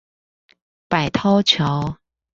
百韜橋